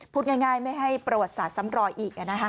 พูดง่ายไม่ให้ประวัติศาสตร์ซ้ำรอยอีก